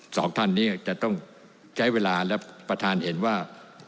สองท่านนี้จะต้องใช้เวลาและประธานเห็นว่า